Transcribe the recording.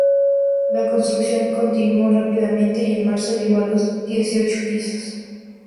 La construcción continuó rápidamente y, en marzo, llegó a los dieciocho pisos.